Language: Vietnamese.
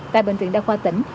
tại bệnh viện đa khoa tỉnh